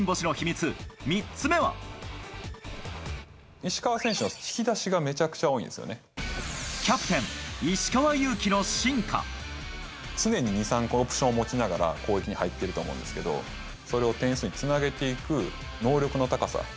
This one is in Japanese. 石川選手の引き出しがめちゃキャプテン、常に２、３個オプションを持ちながら、攻撃に入っていると思うんですけど、それを点数につなげていく能力の高さ。